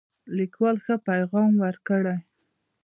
لیکوال ښه پیغام ورکړی.